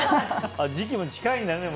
時期も近いんだね。